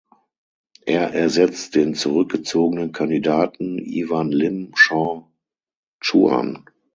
Er ersetzt den zurückgezogenen Kandidaten Ivan Lim Shaw Chuan.